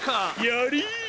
やり！